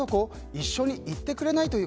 一緒に行ってくれない？という